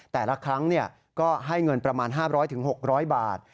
แต่ละครั้งก็ให้เงินประมาณ๕๐๐๖๐๐บาท